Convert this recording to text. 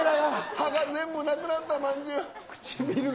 歯が全部なくなったまんじゅう。